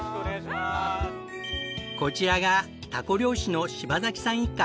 こちらがタコ漁師の柴崎さん一家。